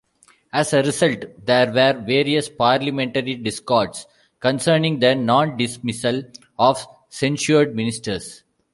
As a result there were various parliamentary discords concerning the non-dismissal of censured ministers.